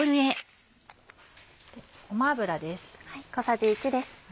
ごま油です。